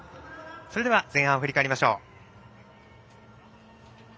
それでは前半を振り返りましょう。